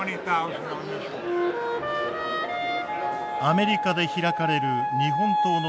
アメリカで開かれる日本刀の展示